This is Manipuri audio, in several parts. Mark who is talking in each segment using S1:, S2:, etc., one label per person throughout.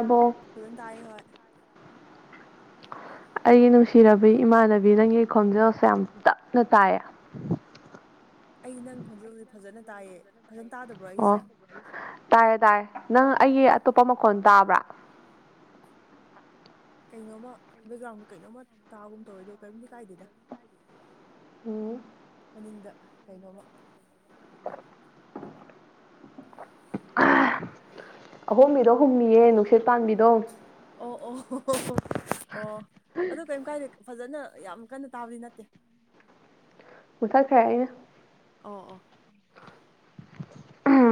S1: ꯑꯕꯣ
S2: ꯐꯖꯅ ꯇꯥꯏ ꯍꯣꯏ
S1: ꯑꯩꯒꯤ ꯅꯨꯡꯁꯤꯔꯕꯤ ꯏꯃꯥꯟꯅꯕꯤ ꯅꯪꯒꯤ ꯈꯣꯟꯖꯦꯜꯁꯦ ꯌꯥꯝ ꯇꯞꯅ ꯇꯥꯏꯌꯦ
S2: ꯑꯩ ꯅꯪ ꯈꯣꯟꯖꯦꯜꯁꯦ ꯐꯖꯅ ꯇꯥꯏꯌꯦ ꯐꯖꯅ ꯇꯥꯗꯕ꯭ꯔꯣ
S1: ꯑꯣ
S2: ꯑꯩꯒꯤꯁꯦ
S1: ꯇꯥꯔꯦ ꯇꯥꯥꯔꯦ ꯅꯪ ꯑꯩꯒꯤ ꯑꯇꯣꯞꯄ ꯃꯈꯣꯟꯜ ꯇꯥꯕ꯭ꯔꯥ
S2: ꯀꯩꯅꯣꯝꯃ ꯕꯦꯛꯒ꯭ꯔꯥꯎꯟꯗ ꯀꯩꯅꯣꯝꯃ ꯇꯥꯒꯨꯝ ꯇꯧꯋꯦ ꯑꯗꯣ ꯀꯔꯤꯝꯗꯤ ꯀꯥꯏꯗꯦꯗ
S1: ꯑ‌ꯣ
S2: ꯃꯅꯤꯡꯗ ꯀꯩꯅꯣꯝꯃ
S1: ꯑꯍꯣꯕꯤꯗꯣ ꯍꯨꯝꯅꯤꯌꯦ ꯅꯨꯡꯁꯤꯠ ꯄꯥꯟꯕꯤꯗꯣ
S2: ꯑꯣ ꯑꯣ ꯑꯣ ꯑꯣ ꯑꯣ ꯑꯗꯨ ꯀꯩꯝ ꯀꯥꯏꯗꯦ ꯐꯖꯅ ꯌꯥꯝ ꯀꯟꯅ ꯇꯥꯕꯗꯤ ꯅꯠꯇꯦ
S1: ꯃꯨꯊꯠꯈ꯭ꯔꯦ ꯑꯩꯅ
S2: ꯑꯣ ꯑꯣ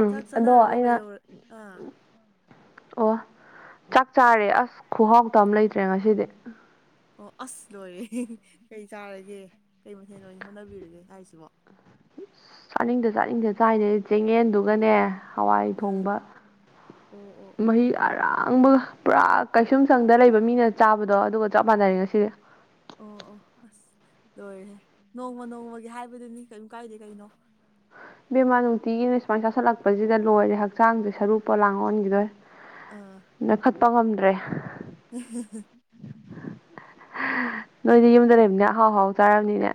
S2: ꯆꯥꯛ
S1: ꯑꯗꯣ
S2: ꯆꯥꯅꯔꯕꯣ
S1: ꯑꯩꯅ
S2: ꯀꯩꯗꯧꯔ ꯑꯥ
S1: ꯑꯣ ꯆꯥꯛ ꯆꯥꯔꯦ ꯑꯁ ꯈꯨꯍꯥꯎꯇ ꯑꯃ ꯂꯩꯇ꯭ꯔꯦ ꯉꯁꯤꯗꯤ
S2: ꯑꯣ ꯑꯁ ꯂꯣꯏꯔꯦ ꯀꯩ ꯆꯥꯔꯒꯦ ꯀꯩ ꯃꯊꯦꯜꯗ ꯑꯣꯏꯅ ꯍꯣꯠꯅꯕꯤꯔꯒꯦ ꯍꯥꯏꯔꯤꯁꯤꯕꯣ
S1: ꯆꯥꯅꯤꯡꯗ ꯆꯥꯅꯤꯡꯗ ꯆꯥꯏꯅꯦꯩ ꯆꯦꯡꯌꯦꯟꯗꯨꯒꯅꯦ ꯍꯋꯥꯏ
S2: ꯑꯥ
S1: ꯊꯣꯡꯕ
S2: ꯑꯣ ꯑꯣ ꯑꯣ
S1: ꯃꯍꯤ ꯑꯔꯥꯡꯕꯒ ꯄꯨꯔꯥ ꯀꯩꯁꯨꯝ ꯁꯪꯗ ꯂꯩꯕ ꯃꯤꯅ ꯆꯥꯕꯗꯣ ꯑꯗꯨꯒ ꯆꯞ ꯃꯥꯟꯅꯔꯦ ꯉꯁꯤꯁꯦ
S2: ꯑꯣ ꯑꯣ ꯑꯁ ꯂꯣꯏꯔꯦꯍꯦ ꯅꯣꯡꯃ ꯅꯣꯡꯃꯒꯤ ꯍꯥꯏꯕꯗꯨꯅꯤ ꯀꯔꯤꯝ ꯀꯥꯏꯗꯦ ꯀꯩꯅꯣ
S1: ꯕꯦꯃꯥ ꯅꯨꯡꯇꯤꯒꯤꯅ ꯁꯨꯃꯥꯏꯅ ꯆꯁꯤꯜꯂꯛꯄꯁꯤꯗ ꯂꯣꯏꯔꯦ ꯍꯛꯆꯥꯡꯁꯦ ꯁꯔꯨꯛ ꯄꯣꯂꯥꯡ ꯑꯣꯟꯈꯤꯗꯣꯏ
S2: ꯑꯥ
S1: ꯅꯈꯠꯄ ꯉꯝꯗ꯭ꯔꯦ
S2: [unintelligible]
S1: ꯅꯣꯏꯗꯤ ꯌꯨꯝꯗ ꯂꯩꯕꯅꯦ ꯑꯍꯥꯎ ꯍꯥꯎ ꯆꯥꯔꯕꯅꯤꯅꯦ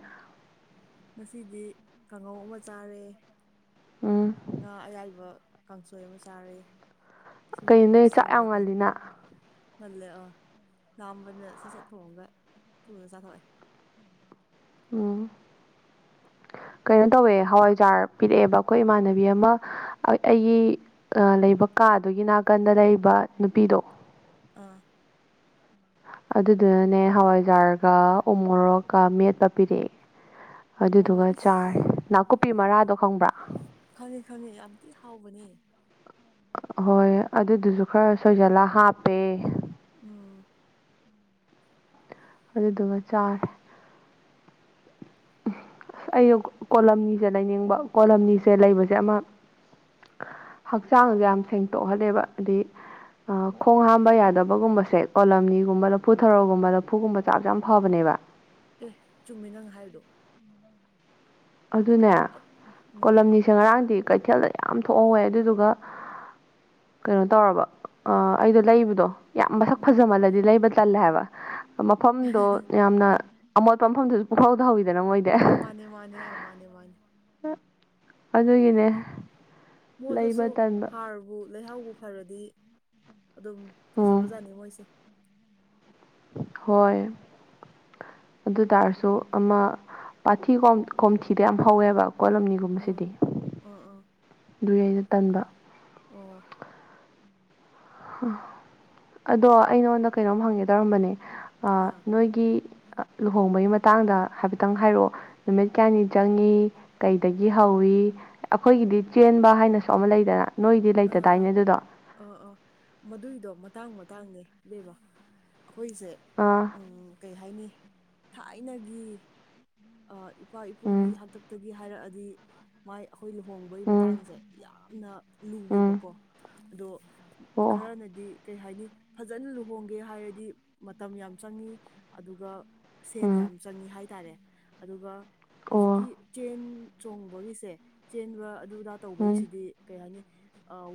S2: ꯉꯁꯤꯗꯤ ꯀꯥꯡꯉꯧ ꯑꯃ ꯆꯥꯔꯦ
S1: ꯎꯝ
S2: ꯉꯥ ꯑꯌꯥꯏꯕ ꯀꯥꯡꯁꯣꯏ ꯑꯃ ꯆꯥꯔ
S1: ꯀꯩꯅꯅꯦ ꯆꯥꯛ ꯌꯥꯝ ꯉꯜꯂꯤꯅ
S2: ꯉꯜꯂꯦ ꯑꯥ ꯂꯥꯝꯕꯅ ꯁꯠ ꯁꯠ ꯊꯣꯡꯉꯒ ꯊꯨꯅ ꯆꯥꯊꯣꯛꯑꯦ
S1: ꯎꯝ ꯀꯩꯅꯣ ꯇꯧꯋꯦ ꯍꯋꯥꯏꯖꯥꯔ ꯄꯤꯔꯛꯑꯦꯕ ꯑꯩꯈꯣꯏ ꯏꯃꯥꯟꯅꯕꯤ ꯑꯃ ꯑꯩꯒꯤ ꯂꯩꯕ ꯀꯥꯗꯨꯒꯤ ꯅꯥꯀꯟꯗ ꯂꯩꯕ ꯅꯨꯄꯤꯗꯣ
S2: ꯑꯥ
S1: ꯑꯗꯨꯗꯨꯅꯅꯦ ꯍꯋꯥꯏꯖꯥꯔꯒ ꯎ ꯃꯣꯔꯣꯛꯀ ꯃꯦꯠꯄ ꯄꯤꯔꯛꯑꯦ
S2: ꯑꯣ
S1: ꯑꯗꯨꯗꯨꯒ
S2: ꯏꯁ
S1: ꯆꯥꯔ ꯅꯥꯀꯨꯞꯄꯤ ꯃꯔꯥꯗꯣ ꯈꯪꯕ꯭ꯔꯥ
S2: ꯈꯪꯉꯤ ꯈꯪꯉꯤ ꯌꯥꯝꯗꯤꯤ ꯍꯥꯎꯕꯅꯤ
S1: ꯍꯣꯏ ꯑꯗꯨꯗꯨꯁꯨ ꯈꯔ ꯁꯣꯏꯖꯜꯂ ꯍꯥꯞꯄꯦ
S2: ꯎꯝ
S1: ꯑꯗꯨꯗꯨꯒ ꯆꯥꯔꯦ ꯑꯩꯅ ꯀꯣꯂꯝꯅꯤꯁꯦ ꯂꯩꯅꯤꯡꯕ ꯀꯣꯂꯝꯅꯤꯁꯦ ꯂꯩꯕꯁꯦ ꯑꯃ ꯍꯛꯆꯥꯡꯁ ꯌꯥꯝ ꯁꯦꯡꯇꯣꯛꯍꯜꯂꯦꯕ ꯍꯥꯏꯗꯤ ꯈꯣꯡ ꯍꯥꯝꯕ ꯌꯥꯗꯕꯒꯨꯝꯕꯁꯦ ꯀꯣꯂꯝꯅꯤꯒꯨꯝꯕ ꯂꯐꯨ ꯊꯔꯣꯒꯨꯝꯕ ꯂꯐꯨꯒꯨꯝꯕ ꯆꯥꯛꯁꯦ ꯌꯥꯝ ꯐꯕꯅꯦꯕ
S2: ꯑꯦ ꯆꯨꯝꯃꯤ ꯅꯪ ꯍꯥꯏꯗꯣ
S1: ꯑꯗꯨꯅꯦ
S2: ꯎꯝ
S1: ꯀꯣꯂꯝꯅꯤꯁꯦ ꯉꯔꯥꯡꯗꯤ ꯀꯩꯊꯦꯜꯗ ꯌꯥꯝ ꯊꯣꯛꯍꯧꯋꯦ ꯑꯗꯨꯗꯨꯒ ꯀꯩꯅꯣ ꯇꯧꯔꯕ ꯑꯩꯗꯣ ꯂꯩꯕꯗꯣ ꯌꯥꯝ ꯃꯁꯛ
S2: ꯎꯝ
S1: ꯐꯖꯃꯜꯂꯗꯤ ꯂꯩꯕ ꯇꯜꯂꯦ ꯍꯥꯏꯕ ꯃꯐꯝꯗꯣ ꯌꯥꯝꯅ ꯑꯃꯣꯠꯄ ꯃꯐꯝꯗꯗꯨꯁꯨ ꯄꯨꯛꯥꯎꯗꯍꯧꯤꯗꯅ ꯃꯣꯏꯗꯤ
S2: ꯃꯥꯅꯦ ꯃꯥꯅꯦ ꯑ ꯃꯥꯅꯦ ꯃꯥꯅꯦ
S1: ꯑꯗꯨꯒꯤꯅꯦ
S2: ꯃꯣꯠꯂꯁꯨ
S1: ꯂꯩꯕ ꯇꯟꯕ
S2: ꯍꯥꯔꯕꯨ ꯂꯩꯍꯥꯎꯕꯨ ꯐꯔꯗꯤ ꯑꯗꯨꯝ
S1: ꯎꯝ
S2: ꯐꯖꯕꯖꯥꯠꯅꯤ ꯃꯣꯏꯁꯦ
S1: ꯍꯣꯏ ꯑꯗꯨ ꯇꯔꯁꯨ ꯑꯃ ꯄꯥꯊꯤ ꯀꯣꯝꯊꯤꯗ ꯌꯥꯝ ꯍꯧꯋꯦꯕ ꯀꯣꯠꯂꯝꯅꯤꯒꯨꯝꯕꯁꯤꯗꯤ
S2: ꯎꯝ ꯑꯥ ꯑꯥ
S1: ꯑꯗꯨꯏ ꯑꯩꯅ ꯇꯟꯕ
S2: ꯑꯣ
S1: ꯑꯗꯣ ꯑꯩ ꯅꯉꯣꯟꯗ ꯀꯩꯅꯣꯝ ꯍꯪꯒꯦ ꯇꯧꯔꯝꯕꯅꯦ
S2: ꯑꯥ
S1: ꯅꯣꯏ ꯒꯤ ꯂꯨꯍꯣꯡꯕꯒꯤ ꯃꯇꯥꯡꯗ ꯍꯥꯏꯐꯦꯠꯇꯪ ꯍꯥꯏꯔꯛꯑꯣ ꯅꯨꯃꯤꯠ ꯀꯌꯥꯅꯤ ꯆꯪꯉꯤ ꯀꯩꯗꯒꯤ ꯍꯧꯏꯤ ꯑꯩꯈꯣꯏꯒꯤꯗꯤ ꯆꯦꯟꯕ ꯍꯥꯏꯅꯁꯨ ꯑꯃ ꯂꯩꯗꯅ ꯅꯣꯏꯗꯤ
S2: ꯑꯥ
S1: ꯂꯩꯇꯗꯥꯏꯅꯦ ꯑꯗꯨꯗꯣ
S2: ꯑꯥ ꯑꯥ ꯑꯥ ꯃꯗꯨꯏꯗꯣ ꯃꯇꯥꯡ ꯃꯇꯥꯡꯅꯦ ꯗꯕ ꯑꯩꯈꯣꯏꯁꯦ
S1: ꯑꯥ
S2: ꯎꯝ ꯀꯩ ꯍꯥꯏꯅꯤ ꯊꯥꯏꯅꯒꯤ ꯏꯄꯥ
S1: ꯎꯝ
S2: ꯏꯄꯨꯒꯤ ꯍꯥꯛꯇꯛꯇꯒꯤ ꯍꯥꯏꯔꯛꯑꯗꯤ ꯃꯥꯏ ꯑꯩꯈꯣꯏ ꯂꯨꯍꯣꯡꯕ
S1: ꯎꯝ
S2: ꯇꯥꯡꯁꯦ ꯌꯥꯝꯅ
S1: ꯎꯝ
S2: ꯂꯨꯋꯦꯕꯀꯣ ꯑꯗꯣ
S1: ꯑꯣ
S2: ꯈꯔꯅꯗꯤ ꯀꯩ ꯍꯥꯏꯅꯤ ꯐꯖꯅ ꯂꯨꯍꯣꯡꯒꯦ ꯍꯥꯏꯔꯗꯤ ꯃꯇꯝ ꯌꯥꯝ ꯆꯪꯉꯤ ꯑꯗꯨꯒ
S1: ꯑꯣ
S2: ꯁꯦꯟ
S1: ꯎꯝ
S2: ꯌꯥꯝ ꯆꯪꯉꯤ ꯍꯥꯏꯇꯥꯔꯦ ꯑꯗꯨꯒ
S1: ꯑꯣ
S2: ꯍꯧꯖꯤꯛꯀꯤ ꯆꯦꯟ ꯆꯣꯡꯕꯒꯤꯁꯦ ꯆꯦꯟꯕ ꯑꯗꯨꯗꯥ ꯇꯧꯕꯒꯤꯁꯤꯗꯤ ꯀꯩ ꯍꯥꯏꯅꯤ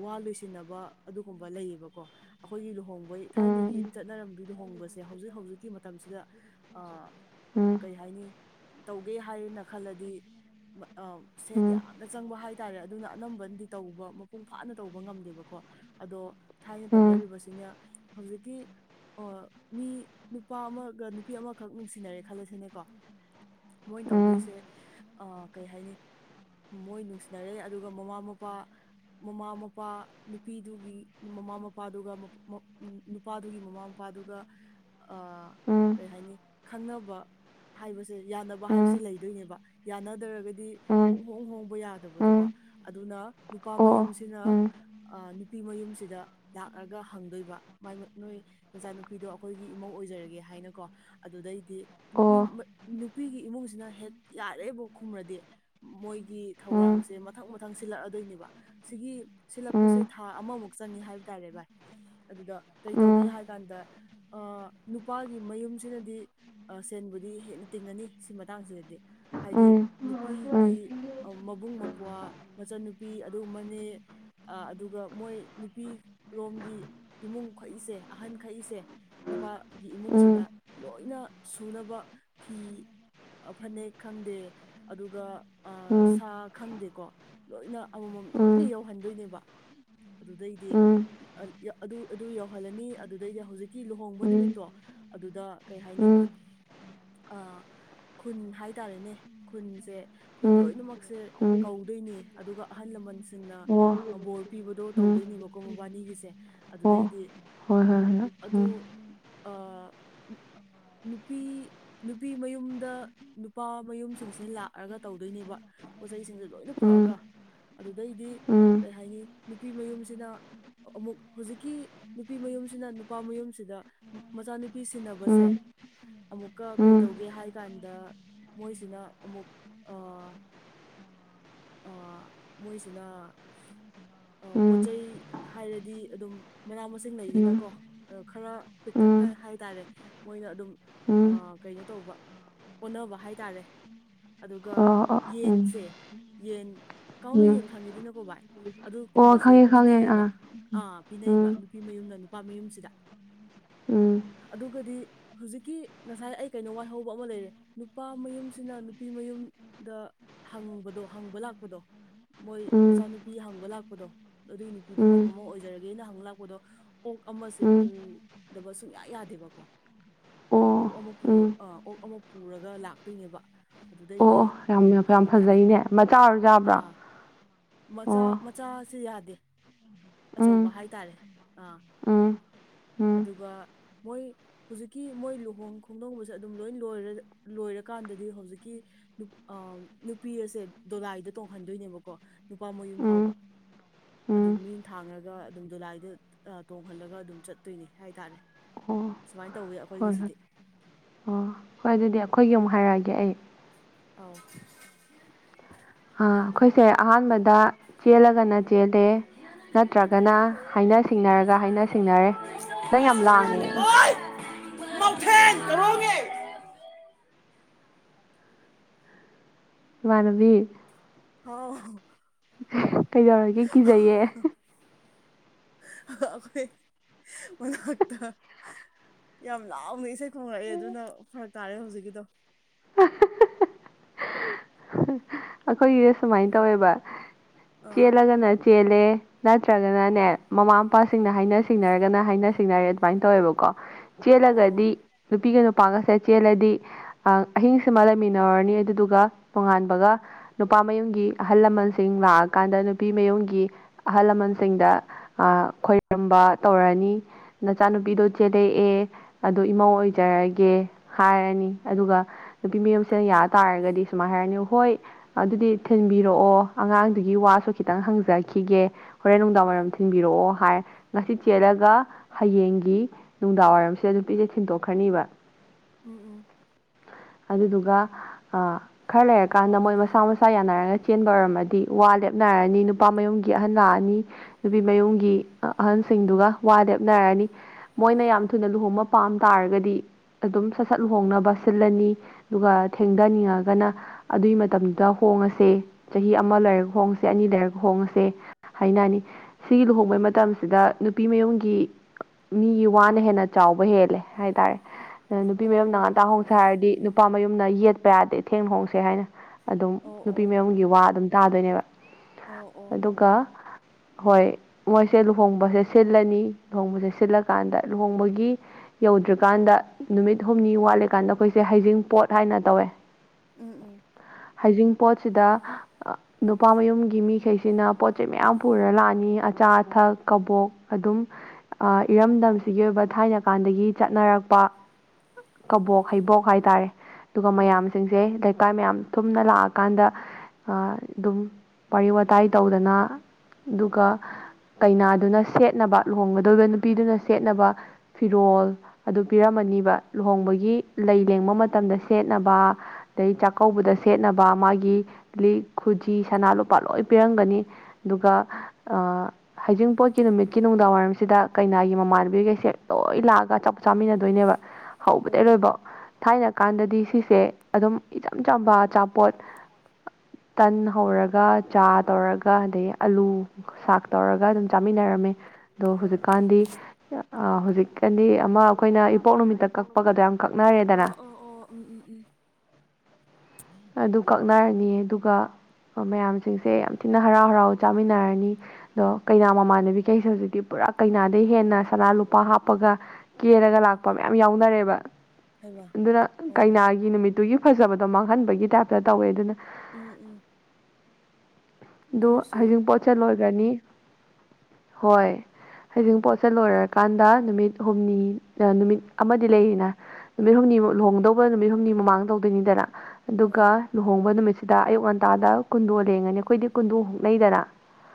S2: ꯋꯥ ꯂꯣꯏꯁꯤꯟꯅꯕ ꯑꯗꯨꯒꯨꯝꯕ ꯂꯩꯌꯦꯕꯀꯣ ꯑꯩꯈꯣꯏꯒꯤ ꯂꯨꯍꯣꯡꯕꯩ ꯊꯥꯏꯅꯒꯤ
S1: ꯎꯝ
S2: ꯆꯠꯅꯔꯝꯕꯤ ꯂꯨꯍꯣꯡꯕꯁꯦ ꯍꯧꯖꯤꯛ ꯍꯧꯖꯤꯛꯀꯤ ꯃꯇꯝꯁꯤꯗ ꯑ
S1: ꯎꯝ
S2: ꯀꯩ ꯍꯥꯏꯅꯤ ꯇꯧꯒꯦ ꯍꯥꯏꯅ ꯈꯜꯂꯗꯤ ꯁꯦꯟ
S1: ꯎꯝ
S2: ꯌꯥꯝꯅ ꯆꯪꯕ ꯍꯥꯏꯇꯥꯔꯦ ꯑꯗꯨꯅ ꯑꯅꯝꯕꯅꯗꯤ ꯇꯧꯕ ꯃꯄꯨꯡ ꯐꯥꯅ ꯇꯧꯕ ꯉꯝꯗꯦꯕꯀꯣ ꯑꯗꯣ ꯊꯥꯏꯅ
S1: ꯎꯝ
S2: ꯇꯧꯅꯔꯤꯕꯁꯤꯅ ꯍꯧꯖꯤꯛꯀꯤ ꯑꯣ ꯃꯤ ꯅꯨꯄꯥ ꯑꯃꯒ ꯅꯨꯄꯤ ꯑꯃꯈꯛ ꯅꯨꯡꯁꯤꯅꯔꯦ ꯈꯜꯂꯁꯤꯅꯦꯀꯣ ꯃꯣꯏꯅ
S1: ꯎꯝ ꯎꯝ
S2: ꯇꯧꯗꯣꯏꯁꯦ ꯀꯩ ꯍꯥꯏꯅꯤ ꯃꯣꯏ ꯅꯨꯡꯁꯤꯅꯔꯦ ꯑꯗꯨꯒ ꯃꯃꯥ ꯃꯄꯥ ꯃꯃꯥ ꯃꯄꯥ ꯅꯨꯄꯤꯗꯨꯒꯤ ꯃꯃꯥ ꯃꯄꯥꯗꯨꯒ ꯅꯨꯄꯥꯗꯨꯒꯤ ꯃꯃꯥ ꯃꯄꯥꯗꯨꯒ ꯑ
S1: ꯎꯝ
S2: ꯀꯩ ꯍꯥꯏꯅꯤ ꯈꯪꯅꯕ ꯍꯥꯏꯕꯁꯦ ꯌꯥꯅꯕ
S1: ꯎꯝ ꯎꯝ
S2: ꯍꯥꯏꯕꯁꯦ ꯂꯩꯗꯣꯏꯅꯦꯕ ꯌꯥꯅꯗ꯭ꯔꯒꯗꯤ
S1: ꯎꯝ
S2: ꯍ ꯍꯕ
S1: ꯎꯝ
S2: ꯌꯥꯗꯕꯗꯀꯣ ꯑꯗꯨꯅ
S1: ꯑꯣ ꯎꯝ ꯑꯣ ꯎꯝ ꯎꯝ ꯎꯝ ꯎꯝ ꯎꯝ ꯎꯝ ꯎꯝ ꯎꯝ ꯎꯝ
S2: ꯅꯨꯄꯥ ꯃꯌꯨꯝꯁꯤꯅ ꯅꯨꯄꯤ ꯃꯌꯨꯝꯁꯤꯗ ꯂꯥꯛꯂꯒ ꯍꯪꯗꯣꯏꯕ ꯃꯥꯏ ꯅꯣꯏ ꯅꯆꯥꯅꯨꯄꯤꯗꯣ ꯑꯩꯈꯣꯏꯒꯤ ꯏꯃꯧ ꯑꯣꯏꯖꯔꯒꯦ ꯍꯥꯏꯅꯀꯣ ꯑꯗꯨꯗꯩꯗꯤ ꯅꯨꯄꯤ ꯅꯨꯄꯤꯒꯤ ꯏꯃꯨꯡꯁꯤꯅ ꯍꯦꯛ ꯌꯥꯔꯦꯕ ꯈꯨꯝꯔꯗꯤ ꯃꯣꯏ ꯊꯧꯔꯥꯡꯁꯦ ꯃꯊꯪ ꯃꯊꯪ ꯁꯤꯜꯂꯛꯑꯗꯣꯏꯅꯦꯕ ꯁꯤꯒꯤ ꯁꯤꯜꯂꯛꯄꯁꯦ ꯊꯥ ꯑꯃꯃꯨꯛ ꯆꯪꯉꯦ ꯍꯥꯏꯕ ꯇꯥꯔꯦ ꯚꯥꯏ ꯑꯗꯨꯗ ꯀꯩ ꯇꯧꯒꯦ ꯍꯥꯏ ꯀꯥꯟꯗ ꯑ ꯅꯨꯄꯥꯒꯤ ꯃꯌꯨꯝꯁꯤꯅꯗꯤ ꯁꯦꯟꯕꯨꯗꯤ ꯍꯦꯟꯅ ꯇꯤꯡꯉꯅꯤ ꯁꯤ ꯃꯇꯥꯡꯁꯤꯗꯗꯤ ꯍꯥꯏꯗꯤ ꯅꯨꯄꯤꯒꯤ ꯃꯕꯨꯡ ꯃꯧꯄ꯭ꯋꯥ ꯃꯆꯟꯅꯨꯄꯤ ꯑꯗꯨꯒꯨꯝꯕꯅꯦ ꯑꯗꯨꯒ ꯃꯣꯏ ꯅꯨꯄꯤꯔꯣꯝꯒꯤ ꯏꯃꯨꯡꯈꯛꯏꯁꯦ ꯑꯍꯟ ꯈꯛꯏꯁꯦ ꯅꯨꯄꯥꯒꯤ ꯏꯃꯨꯡꯁꯤꯗ ꯂꯣꯏꯅ ꯁꯨꯅꯕ ꯐꯤ ꯐꯅꯦꯛ ꯈꯪꯗꯦ ꯑꯗꯨꯒ ꯑ ꯁꯥ ꯈꯪꯗꯦꯀꯣ ꯂꯣꯏꯅ ꯑꯃꯃꯝ
S1: ꯎꯝ
S2: ꯂꯣꯏꯅ ꯌꯧꯍꯟꯗꯣꯏꯅꯦꯕ ꯑꯗꯨꯗꯩꯗꯤ ꯑꯗꯨ ꯑꯗꯨ ꯌꯧꯍꯜꯂꯅꯤ ꯑꯗꯨꯗꯩꯗ ꯍꯧꯖꯤꯛꯀꯤ ꯂꯨꯍꯣꯡꯕ ꯅꯨꯃꯤꯠꯇꯣ ꯑꯗꯨꯗ ꯀꯩ
S1: ꯎꯝ
S2: ꯍꯥꯏꯅꯤ
S1: ꯎꯝ
S2: ꯑ ꯈꯨꯟ ꯍꯥꯏ ꯇꯔꯦꯅꯦ ꯈꯨꯟꯁꯦ ꯈꯨꯟ ꯂꯣꯏꯅꯃꯛꯁꯦ
S1: ꯎꯝ
S2: ꯇꯧꯗꯣꯏꯅꯦ ꯑꯗꯨꯒ ꯑꯍꯜ ꯂꯃꯟꯁꯤꯡꯅ
S1: ꯑꯣ
S2: ꯕꯣꯔ ꯄꯤꯕꯗꯣ
S1: ꯎꯝ
S2: ꯇꯧꯗꯣꯏꯅꯦꯕꯀꯣ ꯃꯕꯥꯅꯤꯒꯤꯁꯦ ꯑꯗꯨꯗꯩꯗꯤ
S1: ꯑꯣ ꯍꯣꯏ
S2: ꯎꯝ
S1: ꯍꯣꯏ ꯍꯣꯏ
S2: ꯑꯗꯨ
S1: ꯎꯝ
S2: ꯑ ꯅꯨꯄꯤ ꯅꯨꯄꯤ ꯃꯌꯨꯝꯗ ꯅꯨꯄꯥ ꯃꯌꯨꯝꯁꯤꯡꯁꯤꯅ ꯂꯥꯛꯑꯒ ꯇꯧꯗꯣꯏꯅꯦꯕ ꯄꯣꯠꯆ ꯆꯩꯁꯤꯡꯗ ꯂꯣꯏꯅ
S1: ꯎꯝ
S2: ꯄꯨꯔꯛꯑꯒ ꯑꯗꯨꯗꯩꯗꯤ
S1: ꯎꯝ
S2: ꯀꯩ ꯍꯥꯏꯅꯤ ꯅꯨꯄꯤ ꯃꯌꯨꯝꯁꯤꯅ ꯑꯃꯨꯛ ꯍꯧꯖꯤꯛꯀꯤ ꯅꯨꯄꯤ ꯃꯌꯨꯝꯁꯤꯅ ꯅꯨꯄꯥ ꯃꯌꯨꯝꯁꯤꯗ ꯃꯆꯥꯅꯨꯄꯤ ꯁꯤꯟꯅꯕꯁꯦ
S1: ꯎꯝ
S2: ꯑꯃꯨꯛꯀ ꯀꯩ
S1: ꯎꯝ
S2: ꯇꯧꯒꯦ ꯍꯥꯏ ꯀꯥꯟꯗ ꯃꯣꯏꯁꯤꯅ ꯑꯃꯨꯛ ꯃꯣꯏꯁꯤꯅ ꯄꯣꯠ ꯆꯩꯩ ꯍꯥꯏꯔꯗꯤ ꯑꯗꯨꯝ ꯃꯅꯥ ꯃꯁꯤꯡ
S1: ꯎꯝ ꯎꯝ ꯎꯝ
S2: ꯂꯩꯗꯅꯀꯣ꯫ ꯈꯔ ꯄꯤꯛꯇꯛꯅ ꯍꯥꯏꯇꯥꯔꯦ ꯃꯣꯏꯅ ꯑꯗꯨꯝ
S1: ꯎꯝ
S2: ꯀꯩꯅꯣ ꯇꯧꯕ ꯑꯣꯟꯅꯕ ꯍꯥꯏꯇꯥꯔꯦ ꯑꯗꯨꯒ
S1: ꯑꯣ ꯑꯣ ꯎꯝ
S2: ꯌꯦꯟꯁꯦ ꯌꯦꯟ ꯀꯥꯎꯅ
S1: ꯎꯝ
S2: ꯌꯦꯟ ꯈꯥꯡꯉꯤꯗꯅꯀꯣ ꯚꯥꯏ꯫
S1: ꯑꯣ
S2: ꯑꯗꯨꯒꯨꯝꯕꯁꯦ
S1: ꯈꯪꯉꯦ ꯈꯪꯉꯦ
S2: ꯄꯤꯅꯩꯌꯦꯕ
S1: ꯑꯥ
S2: ꯑꯥ ꯄꯤꯅꯩꯕ
S1: ꯎꯝ
S2: ꯅꯨꯄꯤ ꯃꯌꯨꯝꯅ ꯅꯨꯄꯥ ꯃꯌꯨꯝꯁꯤꯗ
S1: ꯎꯝ
S2: ꯑꯗꯨꯒꯗꯤ ꯍꯧꯖꯤꯛꯀꯤ ꯉꯁꯥꯏ ꯑꯩ ꯀꯩꯅꯣ ꯋꯥꯏꯍꯧꯕ ꯑꯃ ꯂꯩꯔꯦ ꯅꯨꯄꯥ ꯃꯌꯨꯝꯁꯤꯅ ꯅꯨꯄꯤ ꯃꯌꯨꯝ ꯗ ꯍꯪꯕꯗꯣ ꯍꯪꯕ ꯂꯥꯛꯄꯗꯣ ꯃꯣꯏ
S1: ꯎꯝ
S2: ꯃꯆꯥꯅꯨꯄꯤ ꯍꯪꯕ ꯂꯥꯛꯄꯗꯣ ꯑꯗꯨꯒꯤ ꯅꯨꯄꯤꯗꯣ ꯃꯣꯏ
S1: ꯎꯝ
S2: ꯃꯃꯥ ꯑꯣꯏꯖꯔꯒꯦꯅ ꯍꯪꯕ ꯂꯥꯛꯄꯗꯣ ꯑꯣꯛ ꯑꯃꯁꯦ
S1: ꯎꯝ
S2: ꯄꯨꯗꯕ ꯁꯨꯡꯌꯥ ꯌꯥꯗꯦꯕꯀꯣ꯫
S1: ꯑꯣ
S2: ꯑꯣꯛ ꯑꯃ
S1: ꯎꯝ
S2: ꯑ ꯑꯣꯛ ꯑꯃ ꯄꯨꯔꯒ ꯂꯥꯛꯇꯣꯏꯅꯦꯕ
S1: ꯑꯣ ꯑꯣ
S2: ꯑꯗꯨꯗꯩꯗꯤ꯫ ꯑꯗꯨꯝ
S1: ꯌꯥꯝ [unintelligible]
S2: ꯍꯪꯗꯣꯏꯅꯦ
S1: ꯐꯖꯩꯅꯦ ꯃꯆꯥ ꯑꯣꯏꯔꯁꯨ ꯌꯕ꯭ꯔꯣ꯫
S2: ꯑꯥ ꯃꯆꯥ ꯃꯆꯥꯁꯦ ꯌꯥꯗꯦ
S1: ꯎꯝ
S2: ꯑꯆꯧꯕ ꯍꯥꯏꯇꯥꯔꯦ꯫ ꯑꯥ
S1: ꯎꯝ ꯎꯝ
S2: ꯑꯗꯨꯒ ꯃꯣꯏ꯫ ꯍꯧꯖꯤꯛꯀꯤ ꯃꯣꯏ ꯂꯨꯍꯣꯡ ꯈꯣꯡꯗꯣꯡꯕꯁꯦ ꯑꯗꯨꯝ ꯂꯣꯏ ꯂꯣꯏꯔ ꯂꯣꯏꯔꯀꯥꯟꯗꯗꯤ ꯍꯧꯖꯤꯛꯀꯤ꯫ ꯑ ꯅꯨꯄꯤ ꯑꯁꯦ ꯗꯣꯂꯥꯏꯗ ꯇꯣꯡꯍꯟꯗꯣꯏꯅꯦꯕꯀꯣ ꯅꯨꯄꯥ ꯃꯌꯨꯝ ꯐꯥꯎꯕ꯫
S1: ꯎꯝ
S2: ꯑꯗꯨꯝ
S1: ꯎꯝ
S2: ꯃꯤꯟ ꯊꯥꯡꯔꯒ ꯑꯗꯨꯝ ꯗꯗꯨꯣꯂꯥꯏꯗ ꯇꯣꯡꯍꯜꯂꯒ ꯑꯗꯨꯝ ꯆꯠꯇꯣꯏꯅꯤ ꯍꯥꯏꯇꯥꯔꯦ꯫
S1: ꯑꯣ
S2: ꯁꯨꯃꯥꯏꯅ ꯇꯧꯋꯤ
S1: ꯍꯣꯏ ꯍꯣꯏ
S2: ꯑꯩꯈꯣꯏꯒꯤꯁꯤꯗꯤ꯫
S1: ꯑꯣ ꯍꯣꯏ ꯑꯗꯨꯗꯤ ꯑꯩꯈꯣꯏꯒꯤ ꯑꯃꯨꯛ ꯍꯥꯏꯔꯛꯑꯒꯦ ꯑꯩ꯫
S2: ꯑꯥꯎ꯫ [unintelligible]
S1: ꯑ ꯑꯩꯈꯣꯏꯁꯦ ꯑꯍꯥꯟꯕꯗ ꯆꯦꯜꯂꯒꯅ ꯆꯦꯜꯂꯦ ꯅꯠꯇ꯭ꯔꯒꯅ ꯍꯥꯏꯅ ꯁꯤꯡꯅꯔꯒ ꯍꯥꯏꯅ ꯁꯤꯡꯅꯔꯦ꯫ ꯅꯪ ꯌꯥꯝ ꯂꯥꯡꯉꯦ꯫
S2: ꯊ ꯀꯣꯡꯒꯦ [unintelligible]
S1: ꯏꯃꯥꯟꯅꯕꯤ
S2: ꯍꯥꯎ꯫
S1: ꯀꯩꯗꯧꯔꯤꯒꯦ ꯀꯤꯖꯩꯌꯦ꯫
S2: ꯑꯩꯈꯣꯏ ꯃꯅꯛꯇ꯫ ꯌꯥꯝ ꯂꯥꯎꯅ ꯏꯁꯩ ꯈꯣꯉꯛꯑꯦ ꯑꯗꯨꯅ ꯐꯔꯛ ꯇꯥꯔꯦ ꯍꯧꯖꯤꯛꯀꯤꯗꯣ꯫
S1: [unintelligible] ꯑꯩꯈꯣꯏꯒꯤꯗ ꯁꯨꯃꯥꯏꯅ ꯇꯧꯋꯦꯕ
S2: ꯑꯥ
S1: ꯆꯦꯜꯂꯒꯅ꯫ ꯆꯦꯜꯂꯦ ꯅꯠꯇ꯭ꯔꯒꯅꯅꯦ ꯃꯃꯥ꯫ ꯃꯄꯥꯁꯤꯡꯅ ꯍꯥꯏꯅ ꯁꯤꯡꯅꯔꯒꯅ ꯍꯥꯏꯅ ꯁꯤꯡꯅꯔꯦ ꯑꯗꯨꯃꯥꯏ ꯇꯧꯋꯦꯕꯀꯣ
S2: ꯑꯣ
S1: ꯆꯦꯜꯂꯒꯗꯤ ꯅꯨꯄꯤꯒ ꯅꯨꯄꯥꯒꯁꯦ ꯆꯦꯜꯂꯗꯤ ꯑ ꯑꯍꯤꯡꯁꯤꯃ ꯂꯩꯃꯤꯟꯅꯔꯅꯤ ꯑꯗꯨꯗꯨꯒ ꯅꯣꯉꯥꯟꯕꯒ꯫ ꯅꯨꯄꯥ ꯃꯌꯨꯝꯒꯤ ꯑꯍꯜ ꯂꯃꯟꯁꯤꯡ ꯂꯥꯛꯑꯀꯥꯟꯗ ꯅꯨꯄꯤ ꯃꯌꯨꯝꯒꯤ꯫ ꯑꯍꯜ ꯂꯃꯟꯁꯤꯡꯗ ꯈꯣꯏꯔꯝꯕ ꯇꯧꯔꯅꯤ꯫ ꯅꯆꯥꯅꯨꯄꯤꯗꯣ ꯆꯦꯜꯂꯛꯑꯦ ꯑꯗꯨ ꯏꯃꯧ ꯑꯣꯏꯖꯔꯒꯦ ꯍꯥꯏꯔꯅꯤ ꯑꯗꯨꯒ ꯅꯨꯄꯤ ꯃꯨꯝꯁꯤꯅ ꯌꯥ ꯇꯥꯔꯒꯗꯤ ꯁꯨꯃꯥꯏꯅ ꯍꯥꯏꯔꯅꯤ ꯍꯣꯏ꯫ ꯑꯗꯨꯗꯤ ꯊꯤꯟꯕꯤꯔꯛꯑꯣ ꯑꯉꯥꯡꯗꯨꯒꯤ ꯋꯥꯁꯨ ꯈꯤꯇꯪ ꯍꯪꯖꯈꯤꯒꯦ꯫ ꯍꯣꯔꯦꯟ ꯅꯨꯡꯗꯥꯡꯏꯔꯝ ꯊꯤꯟꯕꯤꯔꯛꯑꯣ ꯍꯥꯏ ꯉꯁꯤ ꯆꯦꯠꯂꯒ꯫ ꯍꯌꯦꯡꯒꯤ ꯅꯨꯡꯗꯥꯡꯋꯥꯏꯔꯝꯁꯤꯗ ꯅꯨꯄꯤꯁꯦ ꯊꯤꯟꯗꯣꯛꯈ꯭ꯔꯅꯤꯕ
S2: ꯎꯝ ꯎꯝ꯫
S1: ꯑꯗꯨꯗꯨꯒ ꯈꯔ ꯂꯩꯔꯀꯥꯟꯗ ꯃꯣꯏ ꯃꯁ ꯃꯁꯥ ꯃꯁꯥ ꯌꯥꯅꯔꯒ ꯆꯦꯟꯕ ꯑꯣꯏꯔꯝꯃꯗꯤ ꯋꯥ ꯂꯦꯞꯅꯔꯅꯤ ꯅꯨꯄꯥ ꯃꯌꯨꯝꯒꯤ ꯑꯍꯟ ꯂꯥꯛꯑꯅꯤ꯫ ꯅꯨꯄꯤ ꯃꯌꯨꯝꯒꯤ ꯑꯍꯟꯁꯤꯡꯗꯨꯒ ꯋꯥ ꯂꯦꯞꯅꯔꯅꯤ ꯃꯣꯏꯅ ꯌꯥꯝ ꯊꯨꯅ ꯂꯨꯍꯣꯡꯕ ꯄꯥꯝ ꯇꯥꯔꯒꯗꯤ ꯑꯗꯨꯝ ꯁꯠ ꯁꯠ ꯂ ꯍꯣꯡꯅꯕ ꯁꯤꯜꯂꯅꯤ ꯑꯗꯨꯒ ꯊꯦꯡꯊꯅꯤꯡꯉꯒꯅ ꯑꯗꯨꯒꯤ ꯃꯇꯝꯗ꯫ ꯗ ꯍꯣꯡꯉꯁꯦ ꯆꯍꯤ ꯑꯃ ꯂꯩꯔꯒ ꯍꯣꯡꯉꯁꯦ꯫ [unintelligible] ꯑꯅꯤ ꯂꯩꯔꯛ ꯍꯣꯡꯉꯁꯦ ꯍꯥꯏꯅꯅꯤ ꯁꯤꯒꯤ ꯂꯨꯍꯣꯡꯕꯩ ꯃꯇꯝꯁꯤꯗ ꯅꯨꯄꯤꯃꯌꯨꯝꯒꯤ ꯃꯤꯒꯤ ꯋꯥꯅ ꯍꯦꯟꯅ ꯆꯥꯎꯕ ꯍꯦꯜ [unintelligible] ꯍꯥꯏꯇꯥꯔꯦ ꯅꯨꯄꯤ
S2: ꯑꯣ
S1: ꯃꯌꯨꯝ ꯉꯇꯥꯟ ꯍꯣꯡꯁꯦ ꯍꯥꯏꯔꯗꯤ ꯅꯨꯄꯥ ꯃꯌꯨꯝꯅ ꯌꯦꯠꯄ ꯌꯥꯗꯦ ꯊꯦꯡ ꯍꯣꯡꯁꯦ ꯍꯥꯏꯅ ꯑꯗꯨꯝ
S2: ꯑꯣ
S1: ꯅꯨꯄꯤ
S2: ꯑꯣ
S1: ꯃꯌꯨꯝꯒꯤ ꯋꯥ ꯑꯗꯨꯝ ꯇꯥꯗꯣꯏꯅꯦꯕ
S2: ꯑꯣ ꯑꯣ
S1: ꯑꯗꯨꯒ꯫ ꯍꯣꯏ ꯃꯣꯏꯁꯦ ꯂꯨꯍꯣꯡꯕꯁꯦ ꯁꯤꯜꯂꯅꯤ ꯂꯨꯍꯣꯡꯕꯁꯦ ꯁꯤꯜꯂꯀꯥꯟꯗ ꯂꯨꯍꯣꯡꯕꯒꯤ꯫ ꯌꯧꯗ꯭ꯔꯤꯀꯥꯟꯗ ꯅꯨꯃꯤꯠ ꯍꯨꯝꯅꯤ ꯋꯥꯠꯂꯤꯀꯥꯟꯗ ꯑꯩꯈꯣꯏꯁꯦ ꯍꯩꯖꯤꯡ ꯄꯣꯠ ꯍꯥꯏꯅ ꯇꯧꯋꯦ꯫
S2: ꯎꯝ ꯎꯝ꯫
S1: ꯍꯖꯤꯡ ꯄꯣꯠꯁꯤꯗ꯫ ꯅꯨꯄꯥ ꯃꯌꯨꯝꯒꯤ ꯃꯤꯈꯩꯁꯤꯅ ꯄꯣꯠ ꯆꯩꯩ ꯃꯌꯥꯝ ꯄꯨꯔ ꯂꯥꯛꯑꯅꯤ ꯑꯆꯥ ꯑꯊꯛ ꯀꯕꯣꯛ ꯑꯗꯨꯝ ꯏꯔꯝꯗꯝꯁꯤꯒꯤ ꯑꯣꯏꯕ ꯊꯥꯏꯅ ꯀꯥꯟꯗꯒꯤ ꯆꯠꯅꯔꯛꯄ ꯀꯕꯣꯛ ꯍꯩꯕꯣꯛ ꯍꯥꯏꯇꯥꯔꯦ ꯑꯗꯨꯒ
S2: ꯑꯥ
S1: ꯃꯌꯥꯝ ꯁꯤꯡꯁꯦ ꯂꯩꯀꯥꯏ ꯃꯌꯥꯝ ꯊꯨꯝꯅ ꯂꯥꯛꯑꯀꯥꯟꯗ ꯑꯗꯨꯝ ꯋꯥꯔꯤ ꯋꯥꯇꯥꯏ ꯇꯧꯗꯅ ꯑꯗꯨꯒ ꯀꯩꯅꯥꯗꯨꯅ ꯁꯦꯠꯅꯕ ꯂꯨꯍꯣꯡꯒꯗꯧꯔꯤꯕ ꯅꯨꯄꯤꯗꯨꯅ ꯁꯦꯠꯅꯕ ꯐꯤꯔꯣꯜ ꯑꯗꯨ ꯄꯤꯔꯝꯃꯅꯤꯕ ꯂꯨꯍꯣꯡꯕꯒꯤ ꯂꯩ ꯂꯦꯡꯕ ꯃꯇꯝꯗ ꯁꯦꯠꯅꯕ ꯑꯗꯩ ꯆꯥꯛꯀꯧꯕꯗ ꯁꯦꯠꯅꯕ ꯃꯥꯒꯤ ꯂꯤꯛ ꯈꯨꯖꯤ ꯁꯅꯥ ꯂꯨꯄꯥ ꯂꯣꯏ ꯄꯤꯔꯝꯒꯅꯤ ꯑꯗꯨꯒ ꯑ ꯍꯩꯖꯤꯡꯄꯣꯠꯀꯤ ꯅꯨꯃꯤꯠꯀꯤ ꯅꯨꯡꯗꯥꯡꯋꯥꯏꯔꯝꯁꯤꯗ ꯀꯩꯅꯥꯒꯤ ꯃꯃꯥꯟꯅꯕꯤꯒꯩꯁꯦ ꯂꯣꯏ ꯂꯥꯛꯑꯒ ꯑꯆꯥꯄꯣꯠ ꯆꯥꯃꯤꯟꯅꯗꯣꯏꯅꯦꯕ ꯍꯧꯕꯗꯒꯤ ꯂꯣꯏꯕꯧ
S2: ꯀꯧꯕꯗꯩ
S1: ꯊꯥꯏꯅ ꯀꯥꯟꯗꯗꯤ ꯁꯤꯁꯦ ꯑꯗꯨꯝ ꯏꯆꯝ ꯆꯝꯕ
S2: [unintelligible]
S1: ꯑꯆꯥꯄꯣꯠ
S2: ꯑꯆꯥꯄꯣꯠ
S1: ꯇꯟ ꯍꯧꯔꯒ ꯆꯥ ꯇꯧꯔꯒ ꯑꯗꯩ ꯑꯂꯨ ꯁꯥꯛ
S2: ꯂꯣꯏꯕꯣ
S1: ꯇꯧꯔꯒ ꯑꯗꯨꯝ ꯆꯥꯃꯤꯟꯅꯔꯝꯃꯦ ꯑꯗꯣ
S2: ꯆꯥꯃꯤꯟꯅꯔꯝꯃꯤ
S1: ꯍꯧꯖꯤꯛꯀꯥꯟꯗꯤ ꯍꯧꯖꯤꯛꯀꯥꯟꯗꯤ
S2: ꯆꯅꯤ ꯑꯃ ꯑꯩꯈꯣꯏꯅ ꯏꯄꯣꯛ ꯅꯨꯃꯤꯠꯇ ꯀꯛꯄꯒꯗꯤꯛ ꯑꯣ ꯎꯝ ꯎꯝ ꯎꯝ
S1: ꯑꯗꯨ ꯀꯛꯅꯔꯅꯤ ꯑꯗꯨꯒ ꯃꯌꯥꯝꯁꯤꯡꯁꯦ ꯌꯥꯝ ꯊꯤꯅ ꯍꯔꯥꯎ ꯍꯔꯥꯎ ꯆꯥꯃꯤꯟꯅꯔꯅꯤ ꯑꯗꯣ ꯀꯩꯅꯥ ꯃꯃꯥꯟꯅꯕꯤ ꯀꯩꯁꯦ ꯍꯧꯖꯤꯛꯇꯤ ꯄꯨꯔꯥ ꯀꯩꯅꯥꯗꯩ ꯍꯦꯟꯅ ꯁꯅꯥ ꯂꯨꯄꯥ ꯍꯥꯞꯄꯒ ꯀꯦꯔꯒ ꯂꯥꯛꯄ ꯃꯌꯥꯝ ꯌꯥꯎꯅꯔꯦꯕ
S2: ꯍꯩꯃ
S1: ꯑꯗꯨꯅ
S2: ꯑꯣ
S1: ꯀꯩꯅꯥꯒꯤ ꯅꯨꯃꯤꯠꯇꯨꯒꯤ ꯐꯖꯕꯗꯣ ꯃꯥꯡꯍꯟꯕꯒꯤ ꯇꯥꯏꯞꯇ ꯇꯧꯋꯦ ꯑꯗꯨꯅ
S2: ꯎꯝ ꯎꯝ
S1: ꯑꯗꯨ
S2: ꯑꯗꯨꯒꯤꯁꯨ
S1: ꯍꯧꯖꯤꯡ ꯄꯣꯠꯁ ꯂꯣꯏꯒꯅꯤ ꯍꯣꯏ ꯍꯩꯖꯤꯡ
S2: ꯎꯝ
S1: ꯄꯣꯠꯁꯦ ꯂꯣꯏꯔꯀꯥꯟꯗ ꯅꯨꯃꯤꯠ ꯍꯨꯝꯅꯤ ꯅꯨꯃꯤꯠ ꯑꯃꯗꯤ ꯂꯩꯔꯤꯅꯦ ꯅꯨꯃꯤꯠ ꯍꯨꯝꯅꯤꯃꯨ ꯂꯨꯍꯣꯡꯒꯗꯧꯕ ꯅꯨꯃꯤꯠ ꯍꯨꯝꯅꯤ ꯃꯃꯥꯡ ꯇꯧꯗꯣꯏꯅꯤꯗꯅ ꯑꯗꯨꯒ
S2: ꯑꯥ
S1: ꯂꯨꯍꯣꯡꯕ ꯅꯨꯃꯤꯠꯁꯤꯗ ꯑꯌꯨꯛ ꯉꯟꯇꯥꯗ ꯀꯨꯟꯗꯣ ꯂꯦꯡꯉꯅꯤ ꯑꯩꯈꯣꯏꯗꯤ ꯀꯨꯟꯗꯣ ꯍꯨꯛꯅꯩꯗꯅ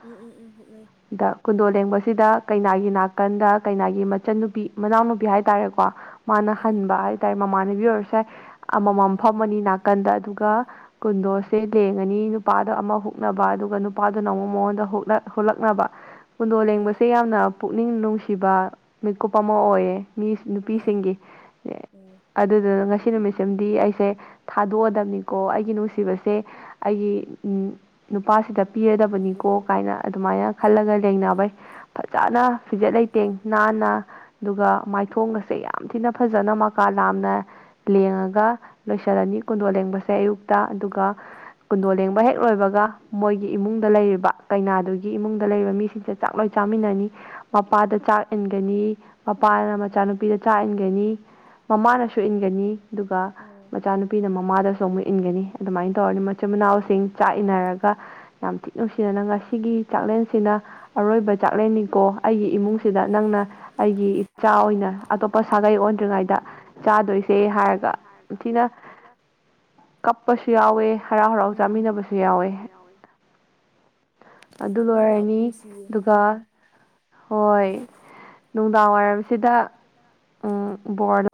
S2: ꯎꯝ ꯎꯝ ꯎꯝ ꯍꯨꯛꯅꯩ
S1: ꯗ ꯀꯨꯟꯗꯣꯜ ꯂꯦꯡꯕꯁꯤꯗ ꯀꯩꯅꯥꯒꯤ ꯅꯥꯀꯟꯗ ꯀꯩꯅꯥꯒꯤ ꯃꯆꯟꯅꯨꯄꯤ ꯃꯅꯥꯎꯅꯨꯄꯤ ꯍꯥꯏꯇꯥꯔꯦꯀꯣ ꯃꯥꯅ
S2: ꯑꯥ
S1: ꯍꯟꯕ ꯍꯥꯏꯇꯥꯔꯦ ꯃꯃꯥꯟꯅꯕꯤ ꯑꯣꯏꯔꯁꯦ ꯑꯃꯃꯝ
S2: ꯑꯣ
S1: ꯐꯝꯃꯅꯤ ꯅꯥꯀꯟꯗ ꯑꯗꯨꯒ
S2: ꯑꯥ
S1: ꯀꯨꯟꯗꯣꯁꯦ ꯂꯦꯡꯉꯅꯤ ꯅꯨꯄꯥꯗ ꯑꯃ ꯍꯨꯛꯅꯕ ꯑꯗꯨꯒ ꯅꯨꯄꯥꯗꯨꯅ ꯑꯃꯛ ꯃꯉꯣꯟꯗ ꯍꯨꯂꯛꯅꯕ ꯀꯨꯟꯗꯣ
S2: ꯑꯣ
S1: ꯂꯦꯡꯕꯁꯦ ꯌꯥꯝꯅ ꯄꯨꯛꯅꯤꯡ ꯅꯨꯡꯁꯤꯕ ꯃꯤꯀꯨꯞ ꯑꯃ ꯑꯣꯏꯌꯦ ꯃꯤꯁ
S2: ꯑꯥ
S1: ꯅꯨꯄꯤꯁꯤꯡꯒꯤ
S2: ꯑꯣ
S1: ꯑꯗꯨꯗꯨꯅ ꯉꯁꯤ ꯅꯨꯃꯤꯠꯁꯤꯃꯗꯤ ꯑꯩꯁꯦ ꯊꯥꯗꯣꯛꯑꯗꯕꯅꯤꯀꯣ ꯑꯩꯒꯤ ꯅꯨꯡꯁꯤꯕꯁꯦ ꯑꯩꯒꯤ ꯅꯨꯄꯥꯁꯤꯗ ꯄꯤꯔꯗꯕꯅꯤꯀꯣ ꯀꯥꯏꯅ ꯑꯗꯨꯃꯥꯏꯅ ꯈꯜꯂꯒ ꯂꯦꯡꯅꯕꯩ ꯐꯖꯅ ꯐꯖꯟꯅ ꯐꯤꯖꯦꯠ ꯂꯩ [unintelligible] ꯅꯥꯟꯅ ꯑꯗꯨꯒ ꯃꯥꯏꯊꯣꯡꯒꯁꯦ ꯌꯥꯝ ꯊꯤꯅ ꯐꯖꯅ ꯃꯀꯥ ꯂꯥꯝꯅ ꯂꯦꯡꯉꯒ ꯆꯠꯂꯅꯤ ꯀꯨꯣꯟꯗꯣꯜ ꯂꯦꯡꯕꯁꯦ ꯑꯌꯨꯛꯇ ꯑꯗꯨꯒ ꯀꯨꯟꯗꯣ ꯂꯦꯡꯕ ꯍꯦꯛ ꯂꯣꯏꯕꯒ ꯃꯣꯏꯒꯤ ꯏꯃꯨꯡꯗ ꯂꯩꯔꯤꯕ ꯀꯩꯅꯥꯗꯨꯒꯤ ꯏꯃꯨꯡꯗ ꯂꯩꯔꯤꯕ ꯃꯤꯁꯤꯡ ꯆ ꯆꯥꯛ ꯂꯣꯏ ꯆꯥꯃꯤꯟꯅꯅꯤ ꯃꯄꯥꯗ ꯆꯥꯛ ꯏꯟꯒꯅꯤ ꯃꯄꯥꯅ ꯃꯆꯥꯅꯨꯄꯤꯗ ꯆꯥꯛ ꯏꯟꯒꯅꯤ ꯃꯃꯥꯅꯁꯨ ꯏꯟꯒꯅꯤ ꯑꯗꯨꯒ ꯃꯆꯥꯅꯨꯄꯤꯅ ꯃꯃꯥꯗꯁꯨ ꯑꯃꯨꯛ ꯏꯟꯒꯅꯤ ꯑꯗꯨꯃꯥꯏꯅ ꯇꯧꯔꯅꯤ ꯃꯆꯤꯟ ꯃꯅꯥꯎꯁꯤꯡ ꯆꯥꯛ ꯏꯟꯅꯔꯒ ꯌꯥꯝ ꯊꯤ ꯅꯨꯡꯁꯤꯅ ꯉꯁꯤꯒꯤ ꯆꯥꯛꯂꯦꯟꯁꯤꯅ ꯑꯔꯣꯏꯕ ꯆꯥꯛꯂꯦꯟꯅꯤꯀꯣ ꯑꯩꯒꯤ ꯏꯃꯨꯡꯁꯤꯗ ꯅꯪꯅ ꯑꯩꯒꯤ ꯏꯆꯥ ꯑꯣꯏꯅ ꯑꯇꯣꯞꯄ ꯁꯥꯒꯩ ꯑꯣꯟꯗ꯭ꯔꯤꯉꯩꯗ ꯆꯥꯗꯣꯏ
S2: ꯆꯥꯗꯣꯏꯁꯦ ꯍꯥꯏꯔꯒ [unintelligible] ꯅꯨꯄꯤꯅ ꯀꯞꯄꯁꯨ ꯌꯥꯎꯋꯦ ꯍꯔꯥꯎ ꯍꯔꯥꯎ ꯆꯥꯃꯤꯟꯅꯕꯁꯨ ꯌꯥꯎꯋꯦ꯫
S1: ꯑꯗꯨ
S2: ꯌꯥꯝ
S1: ꯂꯣꯏꯔꯅꯤ
S2: ꯅꯨꯡꯁꯤꯌꯦ
S1: ꯑꯗꯨꯒ
S2: ꯎꯝ
S1: ꯍꯣꯏ ꯅꯨꯡꯗꯥꯡ ꯋꯥꯏꯔꯝꯁꯤꯗ ꯎꯝ ꯕꯣꯔꯗ